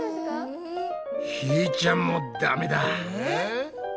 ひーちゃんもダメだ。